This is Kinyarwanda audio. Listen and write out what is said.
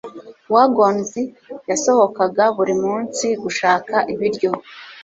Wagons yasohokaga buri munsi gushaka ibiryo.